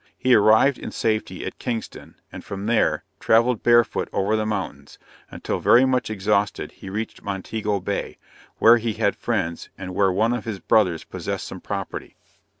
He arrived in safety at Kingston, and from there, travelled barefoot over the mountains, until very much exhausted, he reached Montego Bay, where he had friends, and where one of his brothers possessed some property.